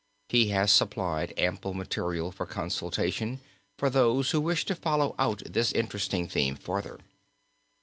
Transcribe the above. He has supplied ample material for consultation for those who wish to follow out this interesting theme further.